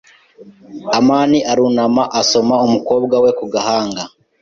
amani arunama asoma umukobwa we ku gahanga.